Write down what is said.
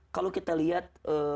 kalau kita lihat